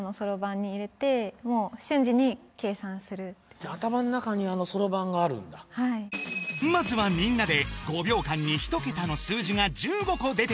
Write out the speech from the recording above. じゃあ頭の中にそろばんがあるんだまずはみんなで５秒間に１桁の数字が１５個出てくる